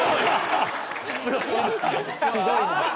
すごいな。